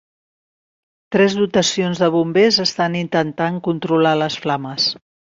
Tres dotacions de bombers estan intentant controlar les flames.